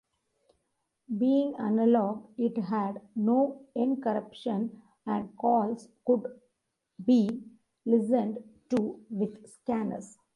Being analog, it had no encryption and calls could be listened to with scanners.